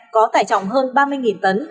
có tải trọng hơn ba mươi tấn